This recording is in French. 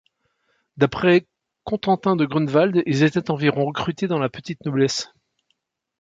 D'après Contantin de Grunwald, ils étaient environ recrutés dans la petite noblesse.